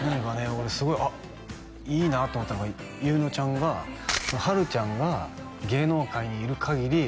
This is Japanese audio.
俺すごい「あっいいな」と思ったのが優乃ちゃんが「はるちゃんが芸能界にいるかぎり」